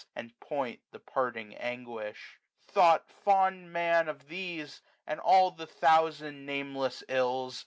And point the parting anguish. Thought fond Man Of these, and all the thousand nameless ills.